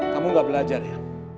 kamu gak belajar ya